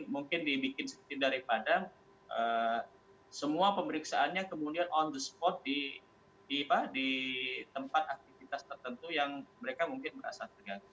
mungkin dibikin seperti daripada semua pemeriksaannya kemudian on the spot di tempat aktivitas tertentu yang mereka mungkin merasa terganggu